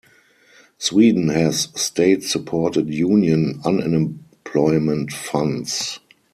Sweden has state-supported union unemployment funds.